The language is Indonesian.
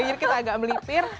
jadi kita agak melipir